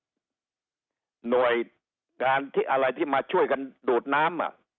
จะเป็นหน่วยการที่อะไรที่มาช่วยกันดูดน้ำอ่ะ